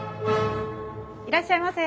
いらっしゃいませ。